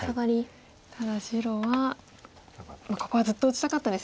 ただ白はまあここはずっと打ちたかったですよね。